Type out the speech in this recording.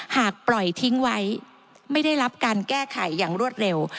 หากปล่อยทิ้งไว้ไม่ได้รับการแก้ไขอย่างรวดเร็ว